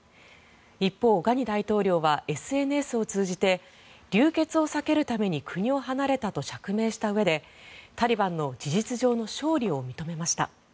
一方、ガニ大統領はＳＮＳを通じて流血を避けるために国を離れたと釈明したうえでタリバンの事実上の勝利を認めました。